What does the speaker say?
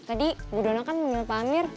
tadi ibu donat kan menurut pak amir